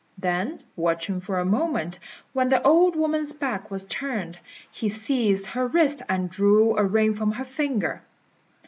Then, watching for a moment when the old woman's back was turned, he seized her wrist and drew a ring from her finger.